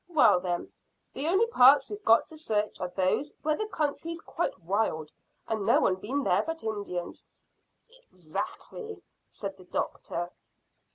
Well, then, the only parts we've got to search are those where the country's quite wild, and no one been there but Indians." "Exactly," said the doctor.